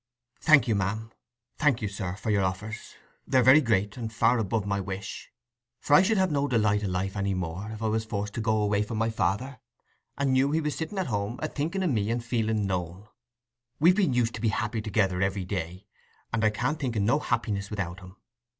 "Thank you, ma'am—thank you, sir, for your offers—they're very great, and far above my wish. For I should have no delight i' life any more if I was forced to go away from my father, and knew he was sitting at home, a thinking of me and feeling lone. We've been used to be happy together every day, and I can't think o' no happiness without him.